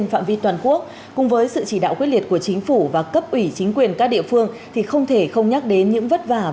hãy đăng ký kênh để nhận thông tin nhất